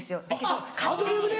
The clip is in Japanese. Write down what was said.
あっアドリブで。